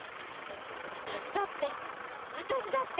私だって私だって！